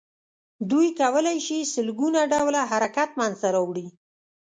دوی کولای شي سل ګونه ډوله حرکت منځ ته راوړي.